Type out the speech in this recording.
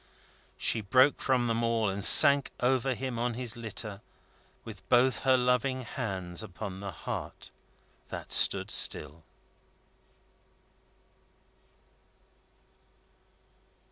She broke from them all, and sank over him on his litter, with both her loving hands upon the heart that stood still.